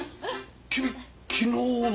君昨日の。